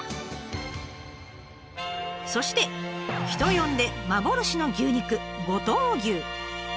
そして人呼んで幻の牛肉五島牛。